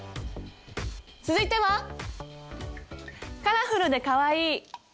続いてはカラフルでかわいい！